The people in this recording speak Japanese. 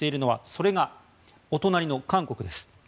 それが、お隣の韓国です。